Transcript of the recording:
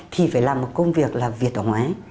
thì phải làm một công việc là việt hóa